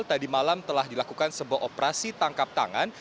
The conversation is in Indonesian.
tadi malam telah dilakukan sebuah operasi tangkap tangan